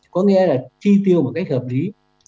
có nghĩa là chi tiêu một cách hợp lý